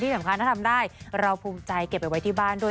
สำคัญถ้าทำได้เราภูมิใจเก็บไปไว้ที่บ้านด้วย